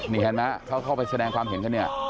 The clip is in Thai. นี่เห็นไหมเขาเข้าไปแสดงความเห็นกันเนี่ย